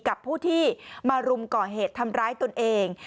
กับผู้ที่มารุมก่อเหตุทำร้ายตนเอง